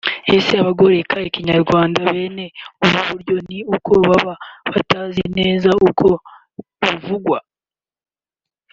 Ese abagoreka ikinyarwanda bene ubu buryo ni uko baba batazi neza uko bivugwa